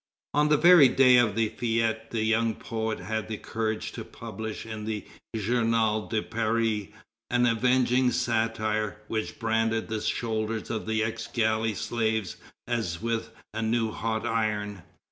On the very day of the fête the young poet had the courage to publish in the Journal de Paris an avenging satire, which branded the shoulders of the ex galley slaves as with a new hot iron.